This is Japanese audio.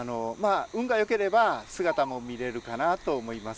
運がよければ姿も見れるかなと思います。